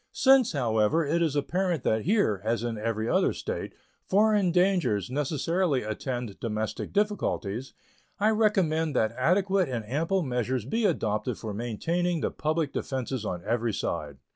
Since, however, it is apparent that here, as in every other state, foreign dangers necessarily attend domestic difficulties, I recommend that adequate and ample measures be adopted for maintaining the public defenses on every side.